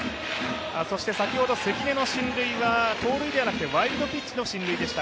そして先ほど、関根の進塁は盗塁ではなくワイルドピッチの進塁でした。